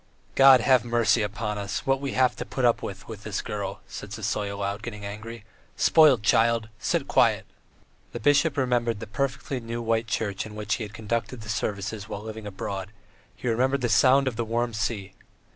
"God have mercy upon us, what we have to put up with with this girl!" said Sisoy, aloud, getting angry. "Spoilt child! Sit quiet!" The bishop remembered the perfectly new white church in which he had conducted the services while living abroad, he remembered the sound of the warm sea.